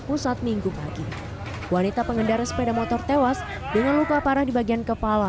pusat minggu pagi wanita pengendara sepeda motor tewas dengan luka parah di bagian kepala